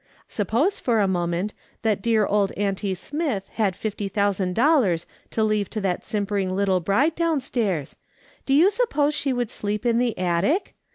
Suppose, for a moment, that dear old auntie Smith had lifty thousand dollars to leave to that simpering little bride downstairs, do you suppose she would sleep in the attic